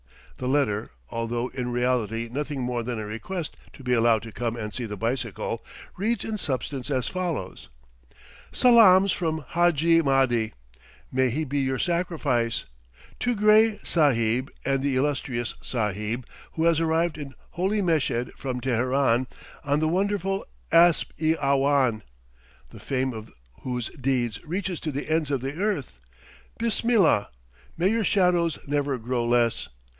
The letter, although in reality nothing more than a request to be allowed to come and see the bicycle, reads in substance as follows: "Salaams from Hadji Mahdi may he be your sacrifice! to Gray Sahib and the illustrious Sahib who has arrived in Holy Meshed from Teheran, on the wonderful asp i awhan, the fame of whose deeds reaches to the ends of the earth. Bismillah! May your shadows never grow less!